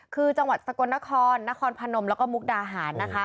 คือจังหวัดสกลนครนครพนมแล้วก็มุกดาหารนะคะ